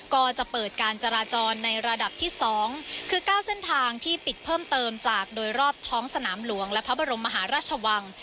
ก็จะเปิดการจราจรในระดับที่๒คือ๙เส้นทางที่ปิดเพิ่มเติมจากโดยรอบท้องสนามหลวงและพระบรมมหาราชวัง